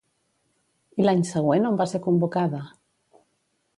I l'any següent on va ser convocada?